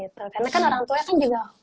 karena kan orang tua kan juga